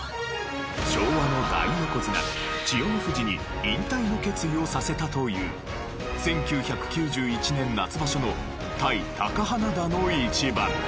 昭和の大横綱千代の富士に引退の決意をさせたという１９９１年夏場所の対貴花田の一番。